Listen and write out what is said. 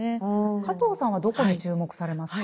加藤さんはどこに注目されますか。